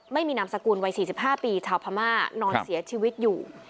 นามสกุลวัย๔๕ปีชาวพม่านอนเสียชีวิตอยู่